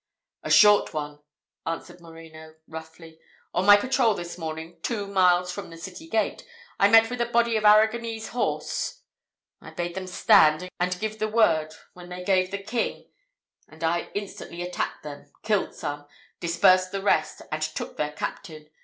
"A short one," answered Moreno, roughly. "On my patrol this morning, two miles from the city gate, I met with a body of Arragonese horse. I bade them stand, and give the word, when they gave the king; and I instantly attacked them killed some dispersed the rest, and took their captain.